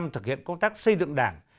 thực hiện công tác xây dựng đảng